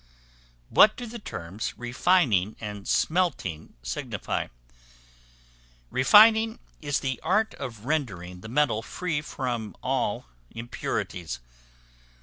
What do the terms Refining and Smelting signify? Refining is the art of rendering the metal free from all impurities.